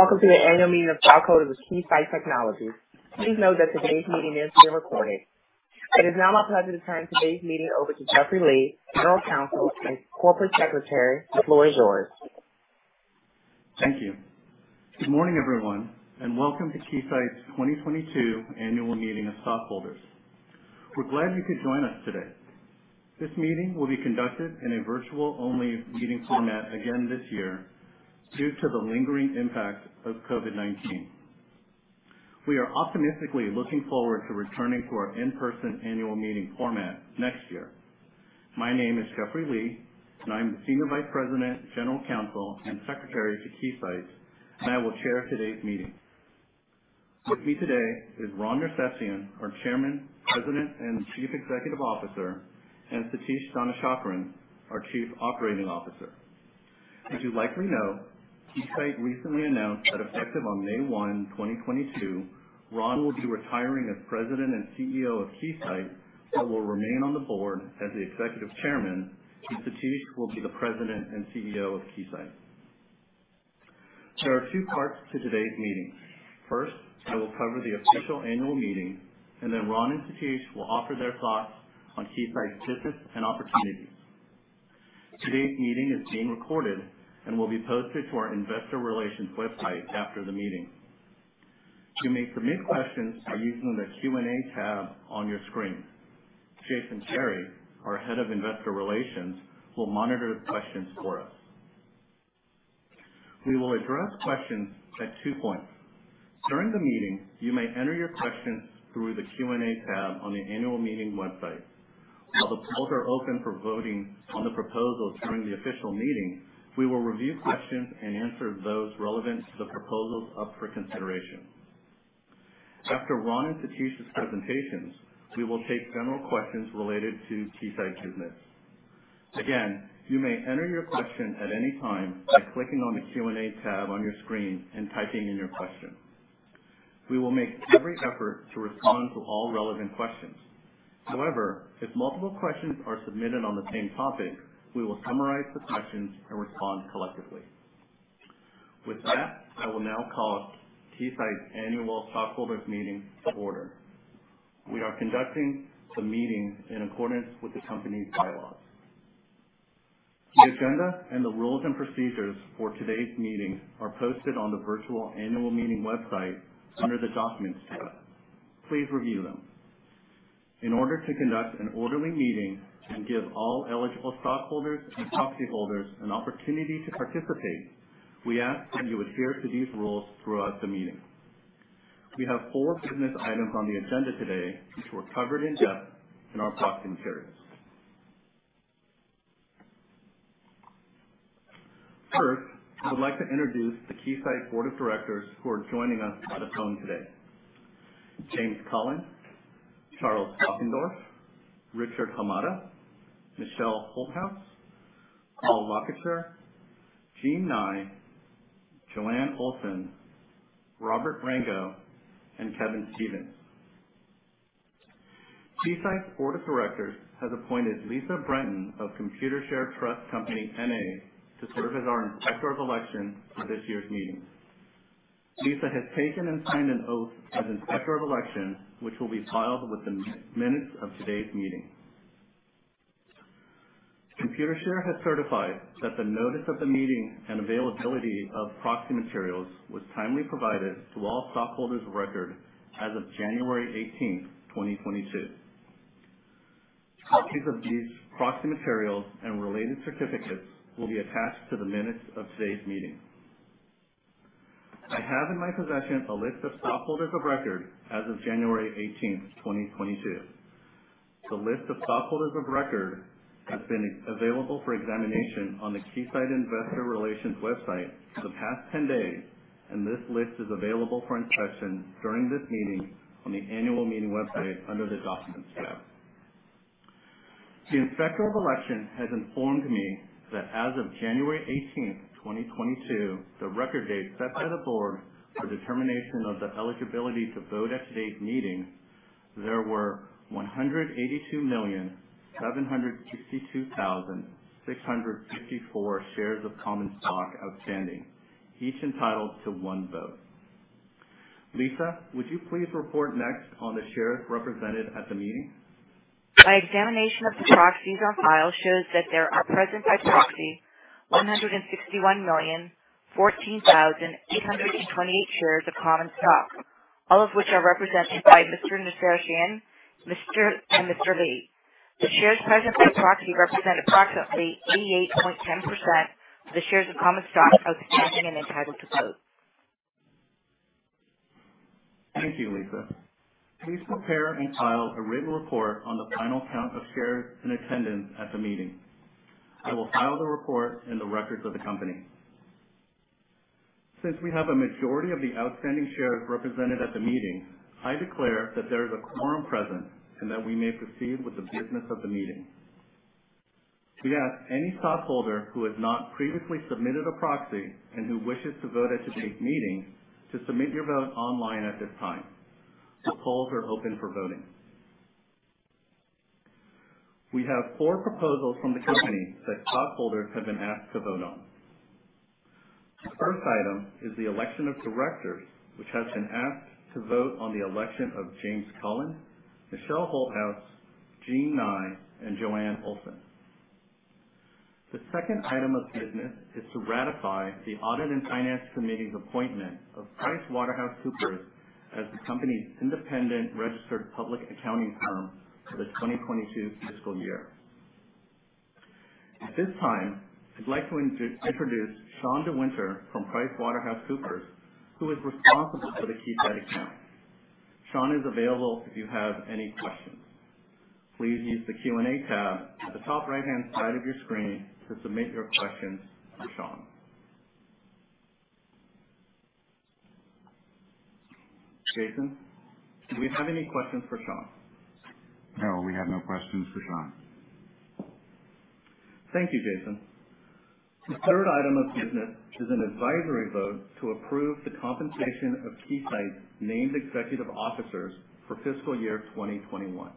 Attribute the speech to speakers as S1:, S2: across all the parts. S1: Welcome to the annual meeting of stockholders with Keysight Technologies. Please note that today's meeting is being recorded. It is now my pleasure to turn today's meeting over to Jeffrey Li, General Counsel and Corporate Secretary. The floor is yours.
S2: Thank you. Good morning, everyone, and welcome to Keysight's 2022 annual meeting of stockholders. We're glad you could join us today. This meeting will be conducted in a virtual only meeting format again this year due to the lingering impact of COVID-19. We are optimistically looking forward to returning to our in-person annual meeting format next year. My name is Jeffrey Li, and I'm the Senior Vice President, General Counsel, and Secretary to Keysight, and I will chair today's meeting. With me today is Ron Nersesian, our Chairman, President, and Chief Executive Officer. Satish Dhanasekaran, our Chief Operating Officer. As you likely know, Keysight recently announced that effective on May 1, 2022, Ron will be retiring as President and CEO of Keysight but will remain on the board as the Executive Chairman, and Satish will be the President and CEO of Keysight. There are two parts to today's meeting. First, I will cover the official annual meeting, and then Ron and Satish will offer their thoughts on Keysight's business and opportunities. Today's meeting is being recorded and will be posted to our investor relations website after the meeting. You may submit questions by using the Q&A tab on your screen. Jason Kary, our Head of Investor Relations, will monitor the questions for us. We will address questions at two points. During the meeting, you may enter your questions through the Q&A tab on the annual meeting website. While the polls are open for voting on the proposals during the official meeting, we will review questions and answer those relevant to the proposals up for consideration. After Ron and Satish's presentations, we will take general questions related to Keysight's business. Again, you may enter your question at any time by clicking on the Q&A tab on your screen and typing in your question. We will make every effort to respond to all relevant questions. However, if multiple questions are submitted on the same topic, we will summarize the questions and respond collectively. With that, I will now call Keysight's annual stockholders meeting to order. We are conducting the meeting in accordance with the company's bylaws. The agenda and the rules and procedures for today's meeting are posted on the virtual annual meeting website under the Documents tab. Please review them. In order to conduct an orderly meeting and give all eligible stockholders and proxy holders an opportunity to participate, we ask that you adhere to these rules throughout the meeting. We have four business items on the agenda today, which were covered in depth in our proxy materials. First, I would like to introduce the Keysight Board of Directors who are joining us by phone today. James Cullen, Charles Dockendorff, Richard Hamada, Michelle Holthaus, Paul Lacouture, Jean Nye, Joanne Olsen, Robert Rango, and Kevin Stephens. Keysight's board of directors has appointed Lisa Brenton of Computershare Trust Company, N.A. to serve as our Inspector of Election for this year's meeting. Lisa has taken and signed an oath as Inspector of Election, which will be filed with the minutes of today's meeting. Computershare has certified that the notice of the meeting and availability of proxy materials was timely provided to all stockholders of record as of January 18, 2022. Copies of these proxy materials and related certificates will be attached to the minutes of today's meeting. I have in my possession a list of stockholders of record as of January 18, 2022. The list of stockholders of record has been available for examination on the Keysight Investor Relations website for the past 10 days, and this list is available for inspection during this meeting on the annual meeting website under the Documents tab. The Inspector of Election has informed me that as of January 18, 2022, the record date set by the board for determination of the eligibility to vote at today's meeting, there were 182,762,654 shares of common stock outstanding, each entitled to one vote. Lisa, would you please report next on the shares represented at the meeting?
S3: My examination of the proxies on file shows that there are present by proxy 161,014,828 shares of common stock, all of which are represented by Mr. Nersesian and Mr. Li. The shares present by proxy represent approximately 88.10% of the shares of common stock outstanding and entitled to vote.
S2: Thank you, Lisa. Please prepare and file a written report on the final count of shares in attendance at the meeting. I will file the report in the records of the company. Since we have a majority of the outstanding shares represented at the meeting, I declare that there is a quorum present and that we may proceed with the business of the meeting. We ask any stockholder who has not previously submitted a proxy and who wishes to vote at today's meeting to submit your vote online at this time. The polls are open for voting. We have four proposals from the company that stockholders have been asked to vote on. The first item is the election of directors, which has been asked to vote on the election of James Cullen, Michelle Holthaus, Jean Nye, and Joanne Olsen. The second item of business is to ratify the Audit and Finance Committee's appointment of PricewaterhouseCoopers as the company's independent registered public accounting firm for the 2022 fiscal year. At this time, I'd like to introduce Sean DeWinter from PricewaterhouseCoopers, who is responsible for the Keysight account. Sean is available if you have any questions. Please use the Q&A tab at the top right-hand side of your screen to submit your questions to Sean. Jason, do we have any questions for Sean?
S4: No, we have no questions for Sean.
S2: Thank you, Jason. The third item of business is an advisory vote to approve the compensation of Keysight's named executive officers for fiscal year 2021.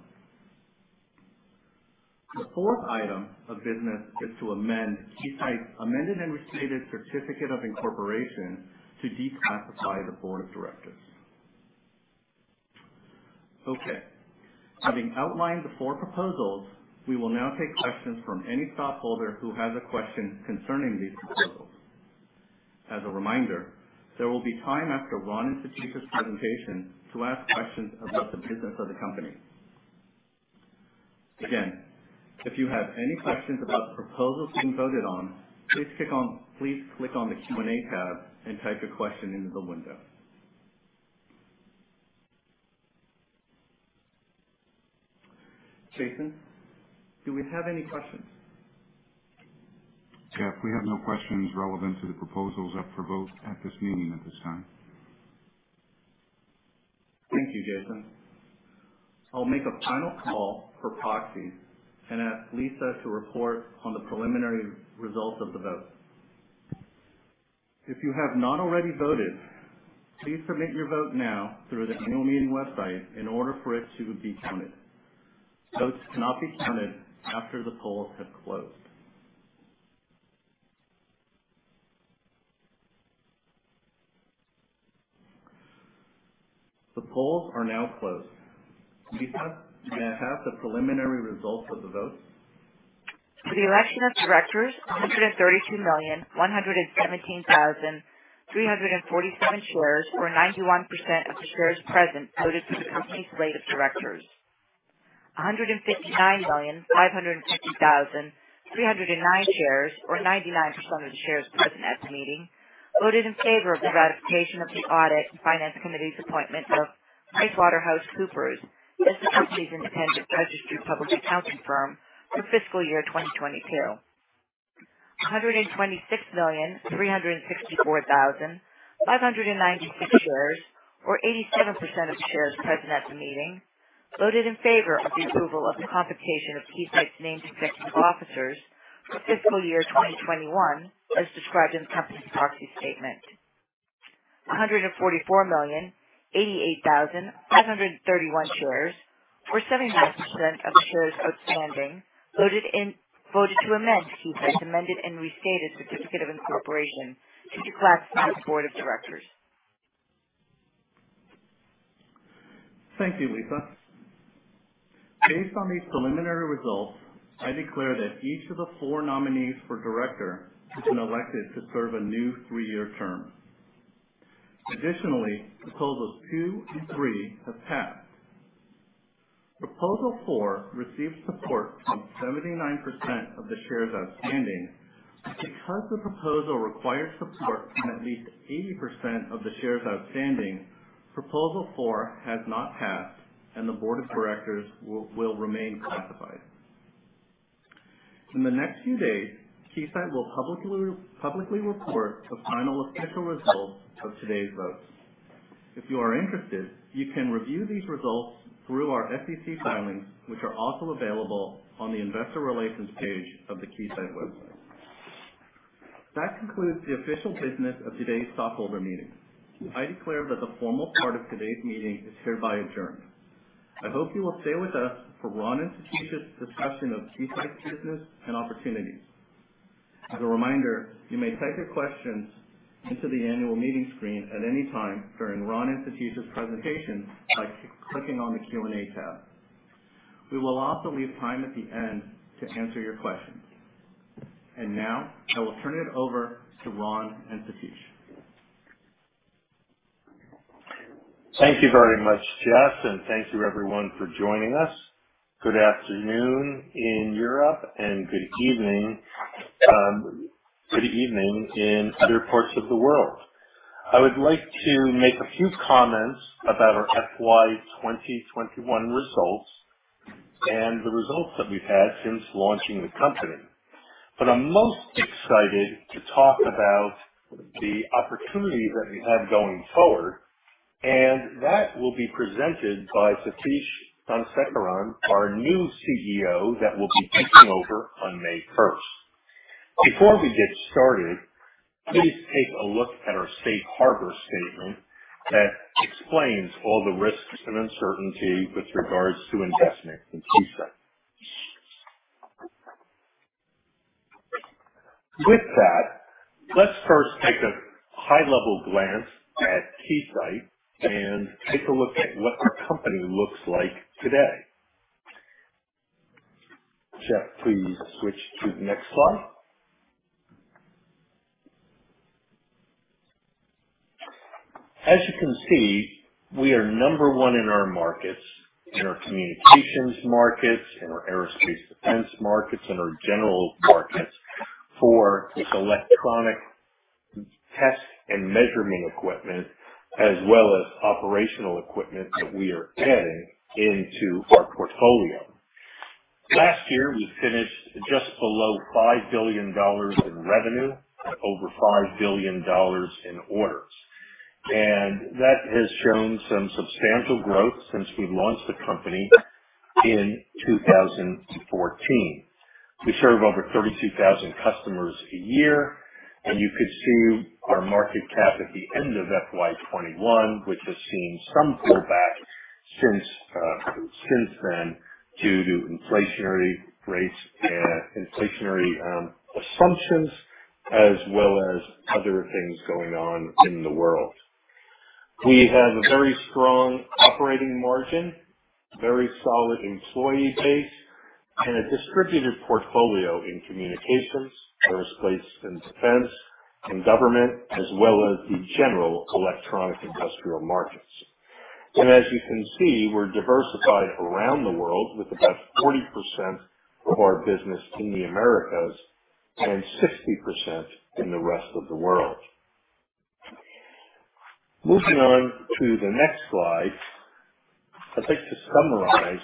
S2: The fourth item of business is to amend Keysight's amended and restated certificate of incorporation to declassify the board of directors. Okay, having outlined the four proposals, we will now take questions from any stockholder who has a question concerning these proposals. As a reminder, there will be time after Ron and Satish's presentation to ask questions about the business of the company. Again, if you have any questions about the proposals being voted on, please click on the Q&A tab and type your question into the window. Jason, do we have any questions?
S4: Jeff, we have no questions relevant to the proposals up for vote at this meeting at this time.
S2: Thank you, Jason. I'll make a final call for proxies and ask Lisa to report on the preliminary results of the vote. If you have not already voted, please submit your vote now through the annual meeting website in order for it to be counted. Votes cannot be counted after the polls have closed. The polls are now closed. Lisa, may I have the preliminary results of the vote?
S3: For the election of directors, 132,117,347 shares, or 91% of the shares present, voted for the complete slate of directors. 159,550,309 shares, or 99% of the shares present at the meeting, voted in favor of the ratification of the Audit and Finance Committee's appointment of PricewaterhouseCoopers as the company's independent registered public accounting firm for fiscal year 2022. 126,364,596 shares, or 87% of the shares present at the meeting, voted in favor of the approval of the compensation of Keysight's named executive officers for fiscal year 2021, as described in the company's proxy statement. 144,088,531 shares, or 79% of the shares outstanding, voted to amend Keysight's amended and restated certificate of incorporation to declassify its board of directors.
S2: Thank you, Lisa. Based on these preliminary results, I declare that each of the four nominees for director has been elected to serve a new three-year term. Additionally, proposals 2 and 3 have passed. Proposal 4 received support from 79% of the shares outstanding. Because the proposal required support from at least 80% of the shares outstanding, proposal 4 has not passed, and the board of directors will remain classified. In the next few days, Keysight will publicly report the final official results of today's votes. If you are interested, you can review these results through our SEC filings, which are also available on the Investor Relations page of the Keysight website. That concludes the official business of today's stockholder meeting. I declare that the formal part of today's meeting is hereby adjourned. I hope you will stay with us for Ron and Satish's discussion of Keysight's business and opportunities. As a reminder, you may type your questions into the annual meeting screen at any time during Ron and Satish's presentation by clicking on the Q&A tab. We will also leave time at the end to answer your questions. Now I will turn it over to Ron and Satish.
S5: Thank you very much, Jeff. Thank you everyone for joining us. Good afternoon in Europe and good evening, good evening in other parts of the world. I would like to make a few comments about our FY 2021 results and the results that we've had since launching the company. I'm most excited to talk about the opportunity that we have going forward, and that will be presented by Satish Dhanasekaran, our new CEO that will be taking over on May 1st. Before we get started, please take a look at our safe harbor statement that explains all the risks and uncertainty with regards to investing in Keysight. With that, let's first take a high-level glance at Keysight and take a look at what our company looks like today. Jeff, please switch to the next slide. As you can see, we are number one in our markets, in our communications markets, in our aerospace defense markets, in our general markets for electronic test and measurement equipment, as well as operational equipment that we are adding into our portfolio. Last year, we finished just below $5 billion in revenue, at over $5 billion in orders, and that has shown some substantial growth since we launched the company in 2014. We serve over 32,000 customers a year. You can see our market cap at the end of FY 2021, which has seen some pullback since then due to inflationary rates and assumptions, as well as other things going on in the world. We have a very strong operating margin, very solid employee base and a distributed portfolio in communications, aerospace and defense, in government, as well as the general electronic industrial markets. As you can see, we're diversified around the world with about 40% of our business in the Americas and 60% in the rest of the world. Moving on to the next slide. I'd like to summarize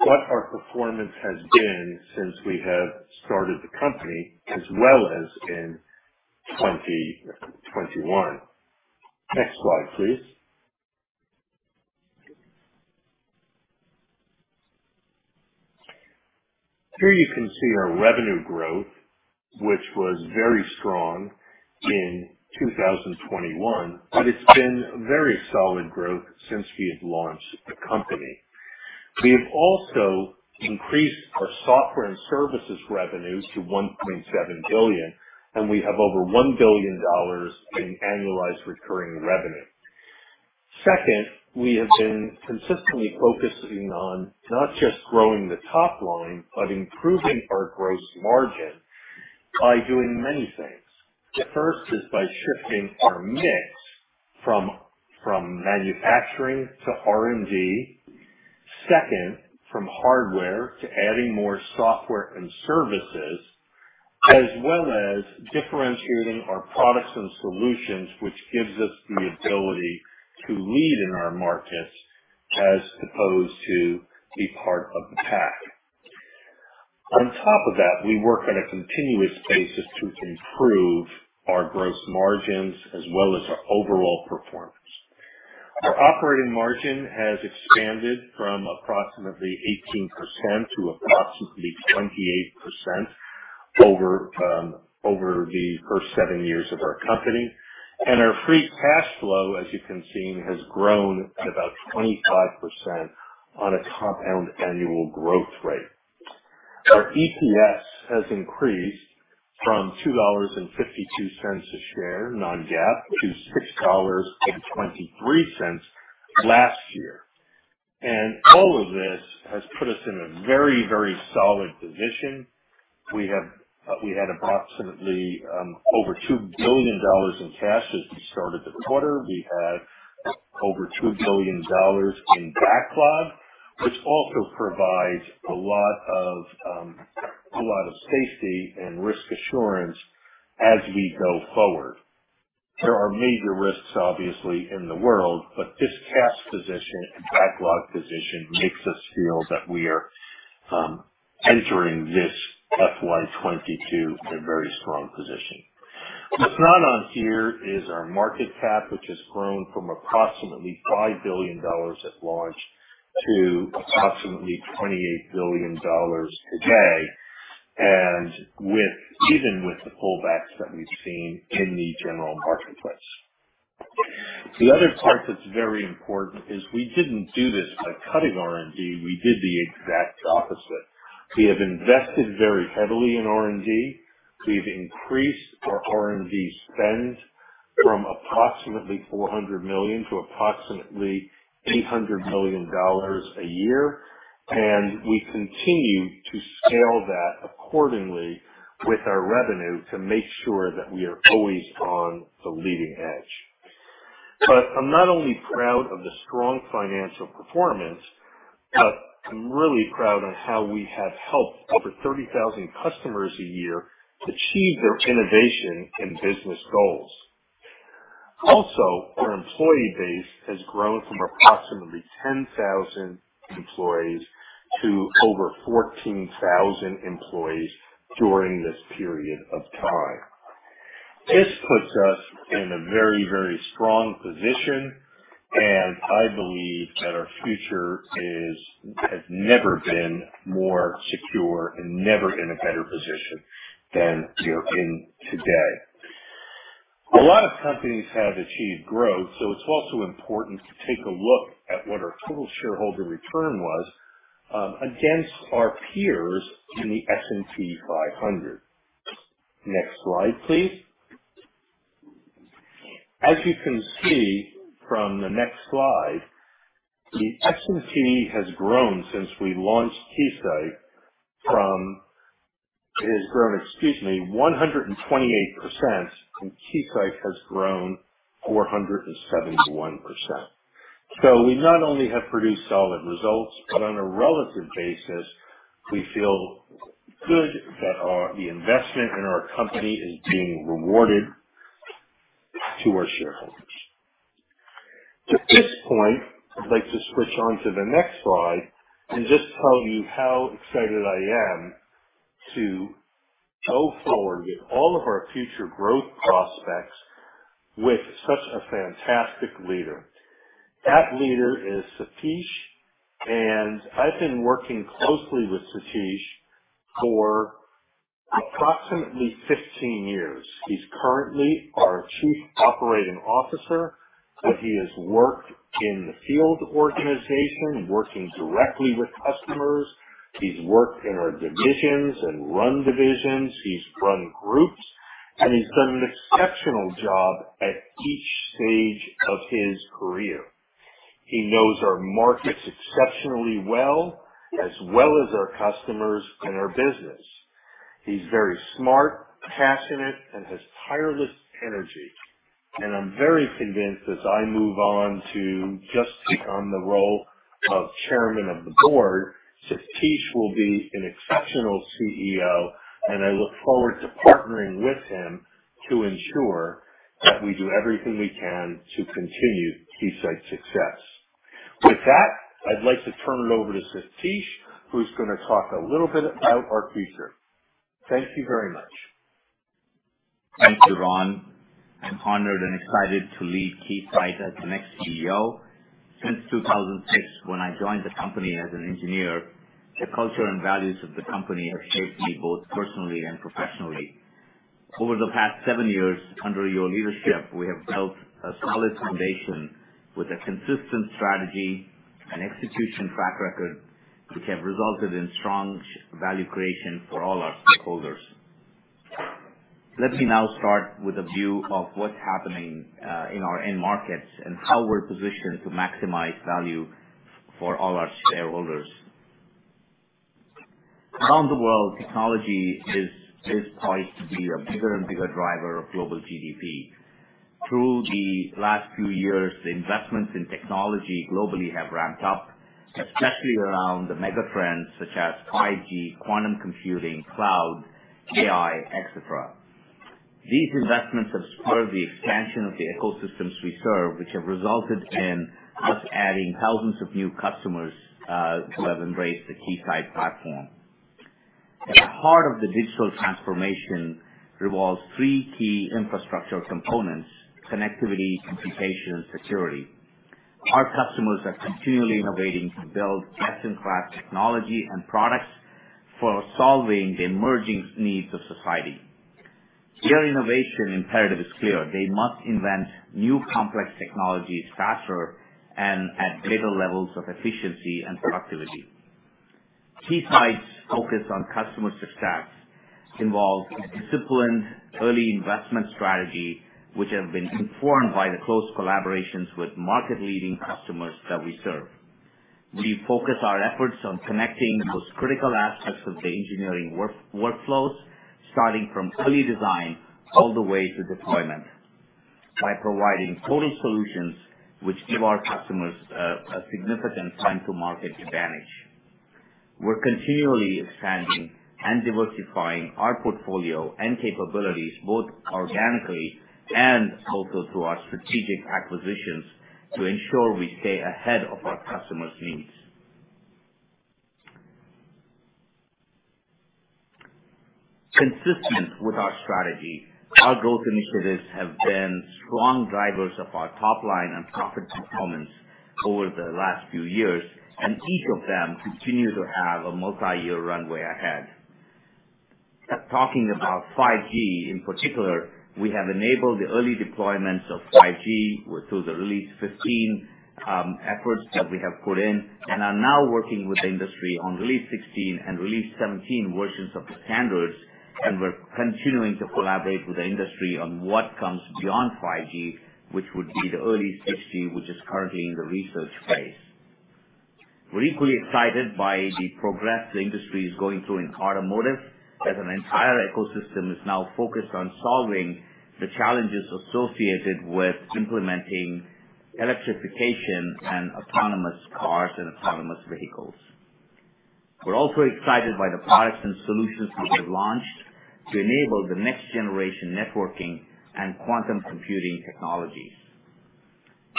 S5: what our performance has been since we have started the company, as well as in 2021. Next slide, please. Here you can see our revenue growth, which was very strong in 2021, but it's been very solid growth since we have launched the company. We have also increased our software and services revenue to $1.7 billion, and we have over $1 billion in annualized recurring revenue. Second, we have been consistently focusing on not just growing the top line, but improving our gross margin by doing many things. The first is by shifting our mix from manufacturing to R&D. Second, from hardware to adding more software and services, as well as differentiating our products and solutions, which gives us the ability to lead in our markets as opposed to be part of the pack. On top of that, we work on a continuous basis to improve our gross margins as well as our overall performance. Our operating margin has expanded from approximately 18% to approximately 28% over the first seven years of our company, and our free cash flow, as you can see, has grown at about 25% on a compound annual growth rate. Our EPS has increased from $2.52 a share non-GAAP to $6.23 last year. All of this has put us in a very, very solid position. We had approximately over $2 billion in cash as we started the quarter. We had over $2 billion in backlog, which also provides a lot of safety and risk assurance as we go forward. There are major risks, obviously, in the world, but this cash position and backlog position makes us feel that we are entering this FY 2022 in a very strong position. What's not on here is our market cap, which has grown from approximately $5 billion at launch to approximately $28 billion today, and even with the pullbacks that we've seen in the general marketplace. The other part that's very important is we didn't do this by cutting R&D. We did the exact opposite. We have invested very heavily in R&D. We've increased our R&D spend from approximately $400 million to approximately $800 million a year, and we continue to scale that accordingly with our revenue to make sure that we are always on the leading edge. I'm not only proud of the strong financial performance, but I'm really proud of how we have helped over 30,000 customers a year achieve their innovation and business goals. Also, our employee base has grown from approximately 10,000 employees to over 14,000 employees during this period of time. This puts us in a very, very strong position, and I believe that our future has never been more secure and never in a better position than we are in today. A lot of companies have achieved growth, so it's also important to take a look at what our total shareholder return was against our peers in the S&P 500. Next slide, please. As you can see from the next slide, the S&P has grown since we launched Keysight. It has grown, excuse me, 128%, and Keysight has grown 471%. We not only have produced solid results, but on a relative basis, we feel good that the investment in our company is being rewarded to our shareholders. At this point, I'd like to switch on to the next slide and just tell you how excited I am to go forward with all of our future growth prospects with such a fantastic leader. That leader is Satish, and I've been working closely with Satish for approximately 15 years. He's currently our Chief Operating Officer, but he has worked in the field organization, working directly with customers. He's worked in our divisions and run divisions. He's run groups, and he's done an exceptional job at each stage of his career. He knows our markets exceptionally well, as well as our customers and our business. He's very smart, passionate, and has tireless energy. I'm very convinced as I move on to just take on the role of Chairman of the Board, Satish will be an exceptional CEO, and I look forward to partnering with him to ensure that we do everything we can to continue Keysight's success. With that, I'd like to turn it over to Satish, who's gonna talk a little bit about our future. Thank you very much.
S6: Thank you, Ron. I'm honored and excited to lead Keysight as the next CEO. Since 2006, when I joined the company as an engineer, the culture and values of the company have shaped me both personally and professionally. Over the past seven years, under your leadership, we have built a solid foundation with a consistent strategy and execution track record, which have resulted in strong value creation for all our stakeholders. Let me now start with a view of what's happening in our end markets and how we're positioned to maximize value for all our shareholders. Around the world, technology is poised to be a bigger and bigger driver of global GDP. Through the last few years, the investments in technology globally have ramped up, especially around the mega trends such as 5G, quantum computing, cloud, AI, et cetera. These investments have spurred the expansion of the ecosystems we serve, which have resulted in us adding thousands of new customers who have embraced the Keysight platform. At the heart of the digital transformation revolves three key infrastructure components, connectivity, computation, and security. Our customers are continually innovating to build best-in-class technology and products for solving the emerging needs of society. Their innovation imperative is clear. They must invent new complex technologies faster and at greater levels of efficiency and productivity. Keysight's focus on customer success involves a disciplined early investment strategy, which have been informed by the close collaborations with market-leading customers that we serve. We focus our efforts on connecting those critical aspects of the engineering workflows, starting from early design all the way to deployment, by providing total solutions which give our customers a significant time to market advantage. We're continually expanding and diversifying our portfolio and capabilities, both organically and also through our strategic acquisitions, to ensure we stay ahead of our customers' needs. Consistent with our strategy, our growth initiatives have been strong drivers of our top line and profit performance over the last few years, and each of them continue to have a multi-year runway ahead. Talking about 5G in particular, we have enabled the early deployments of 5G through the Release 15 efforts that we have put in, and are now working with the industry on Release 16 and Release 17 versions of the standards. We're continuing to collaborate with the industry on what comes beyond 5G, which would be the early 6G, which is currently in the research phase. We're equally excited by the progress the industry is going through in automotive, as an entire ecosystem is now focused on solving the challenges associated with implementing electrification and autonomous cars and autonomous vehicles. We're also excited by the products and solutions that we've launched to enable the next-generation networking and quantum computing technologies.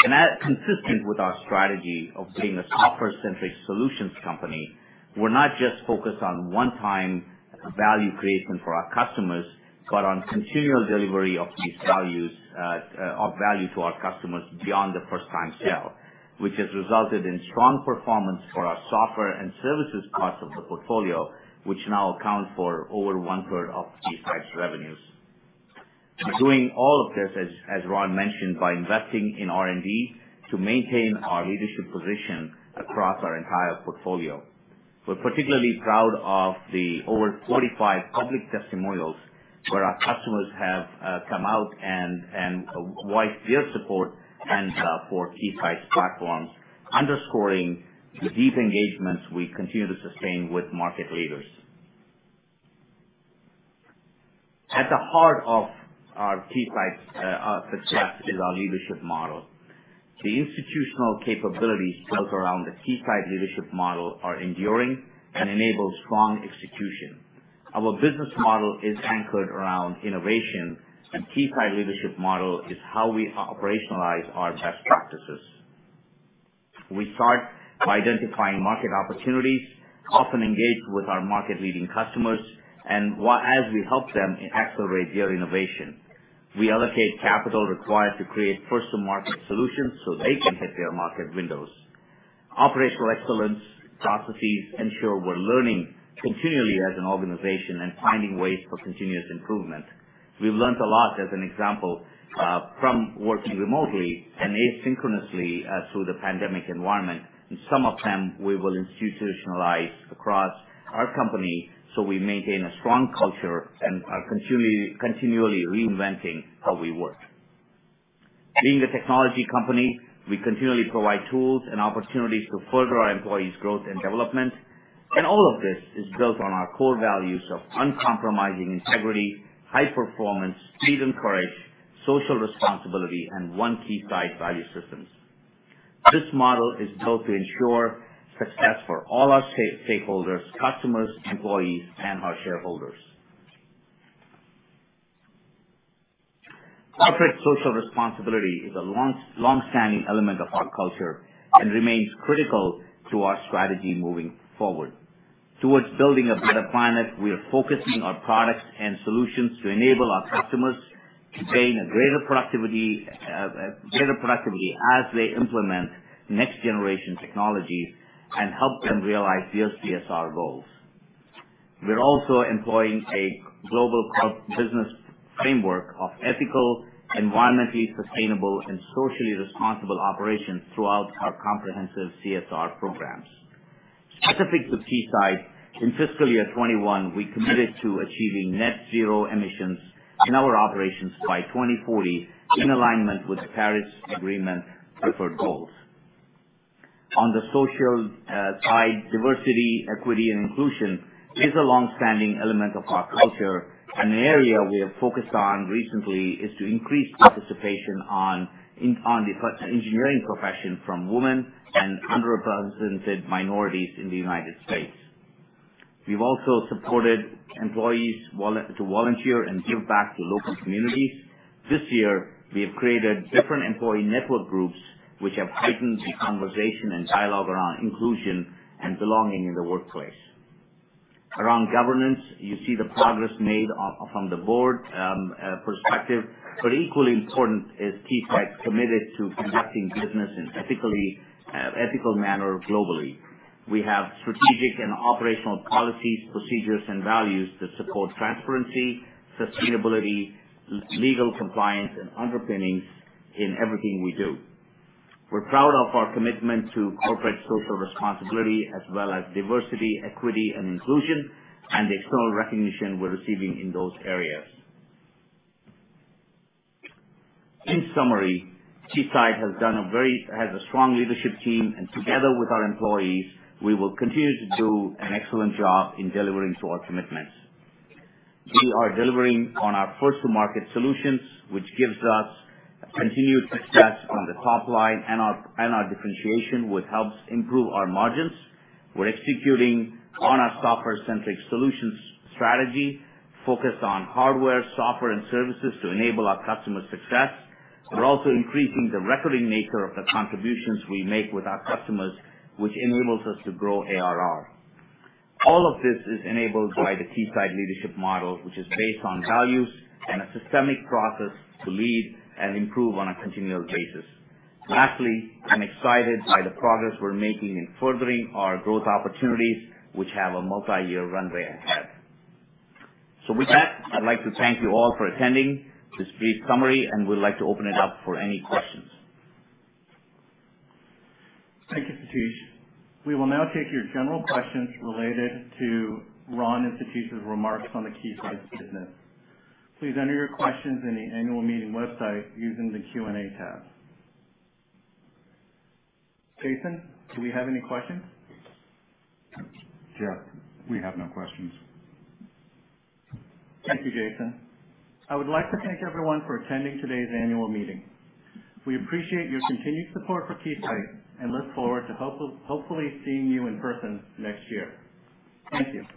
S6: That consistent with our strategy of being a software-centric solutions company, we're not just focused on one time value creation for our customers, but on continual delivery of these values, of value to our customers beyond the first time sale, which has resulted in strong performance for our software and services parts of the portfolio, which now account for over 1/3 of Keysight's revenues. We're doing all of this as Ron mentioned, by investing in R&D to maintain our leadership position across our entire portfolio. We're particularly proud of the over 45 public testimonials where our customers have come out and voice their support and for Keysight's platforms, underscoring the deep engagements we continue to sustain with market leaders. At the heart of our Keysight's success is our leadership model. The institutional capabilities built around the Keysight Leadership Model are enduring and enable strong execution. Our business model is anchored around innovation and Keysight Leadership Model is how we operationalize our best practices. We start by identifying market opportunities, often engage with our market leading customers and as we help them accelerate their innovation. We allocate capital required to create first to market solutions so they can hit their market windows. Operational excellence processes ensure we're learning continually as an organization and finding ways for continuous improvement. We've learned a lot as an example from working remotely and asynchronously through the pandemic environment, and some of them we will institutionalize across our company so we maintain a strong culture and are continually reinventing how we work. Being a technology company, we continually provide tools and opportunities to further our employees' growth and development. All of this is built on our core values of uncompromising integrity, high performance, speed and courage, social responsibility, and one Keysight value systems. This model is built to ensure success for all our stakeholders, customers, employees, and our shareholders. Corporate social responsibility is a longstanding element of our culture and remains critical to our strategy moving forward. Towards building a better planet, we are focusing our products and solutions to enable our customers to gain a greater productivity as they implement next generation technology and help them realize their CSR goals. We're also employing a global core business framework of ethical, environmentally sustainable, and socially responsible operations throughout our comprehensive CSR programs. At Keysight in fiscal year 2021, we committed to achieving net zero emissions in our operations by 2040, in alignment with the Paris Agreement preferred goals. On the social side, diversity, equity, and inclusion is a longstanding element of our culture, and an area we have focused on recently is to increase participation in the engineering profession from women and underrepresented minorities in the United States. We've also supported employees to volunteer and give back to local communities. This year, we have created different employee network groups which have heightened the conversation and dialogue around inclusion and belonging in the workplace. Around governance, you see the progress made from the board perspective, but equally important is Keysight's committed to conducting business in an ethical manner globally. We have strategic and operational policies, procedures, and values that support transparency, sustainability, legal compliance, and underpinnings in everything we do. We're proud of our commitment to corporate social responsibility as well as diversity, equity, and inclusion, and the external recognition we're receiving in those areas. In summary, Keysight has a strong leadership team, and together with our employees, we will continue to do an excellent job in delivering to our commitments. We are delivering on our first-to-market solutions, which gives us continued success on the top line and our differentiation, which helps improve our margins. We're executing on our software-centric solutions strategy focused on hardware, software, and services to enable our customers' success. We're also increasing the recurring nature of the contributions we make with our customers, which enables us to grow ARR. All of this is enabled by the Keysight Leadership Model, which is based on values and a systemic process to lead and improve on a continual basis. Lastly, I'm excited by the progress we're making in furthering our growth opportunities, which have a multi-year runway ahead. With that, I'd like to thank you all for attending this brief summary, and we'd like to open it up for any questions.
S2: Thank you, Satish. We will now take your general questions related to Ron and Satish's remarks on the Keysight business. Please enter your questions in the annual meeting website using the Q&A tab. Jason, do we have any questions?
S4: Jeff, we have no questions.
S2: Thank you, Jason. I would like to thank everyone for attending today's annual meeting. We appreciate your continued support for Keysight and look forward to hopefully seeing you in person next year. Thank you.